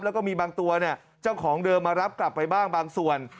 แล้วก็มีบางตัวเนี่ยเจ้าของเดิมมารับกลับไปบ้างบางส่วน